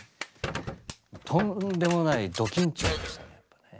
とんでもないド緊張でしたねやっぱね。